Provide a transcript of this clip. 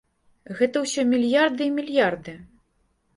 Гэта ўсё мільярды і мільярды.